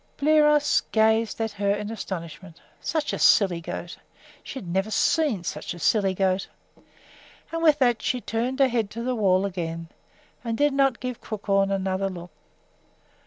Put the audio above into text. Bliros gazed at her in astonishment. Such a silly goat! She had never seen such a silly goat. And with that she turned her head to the wall again and did not give Crookhorn another look.